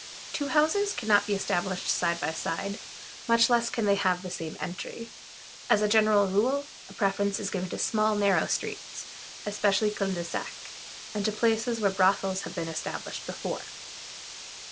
Two houses can not be established side by side, much less can they have the same entry. As a general rule, a preference is given to small, narrow streets, especially culs de sac, and to places where brothels have been established before.